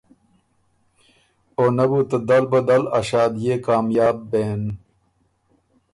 او نۀ بو ته دل بدل ا شادئے کامیاب بېن۔